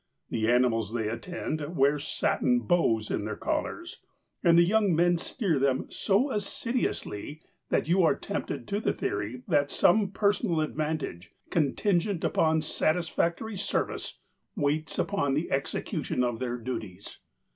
The animals they attend wear satin bows in their collars; and the young men steer them so assiduously that you are tempted to the theory that some personal advantage, contingent upon satisfactory service, waits upon the execution of their duties.